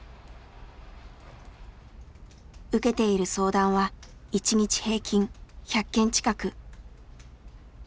受けている相談は１日平均１００件近く。